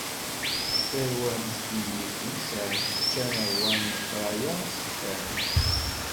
Tarwa-w zeddigit lsan, ččan rwan, i leqraya sekfan.